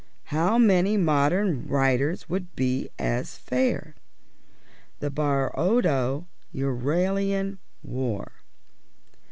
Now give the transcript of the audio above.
How many modern writers would be as fair? "THE BARODO EURALIAN WAR."